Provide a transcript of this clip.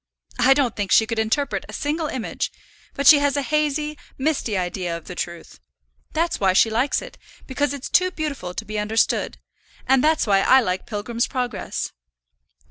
I don't think she could interpret a single image, but she has a hazy, misty idea of the truth. That's why she likes it, because it's too beautiful to be understood; and that's why I like Pilgrim's Progress."